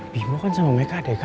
bimo kan sama mereka adek